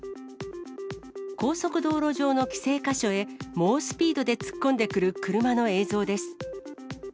高速道路上の規制箇所へ猛スピードで突っ込んでくる車の映像です。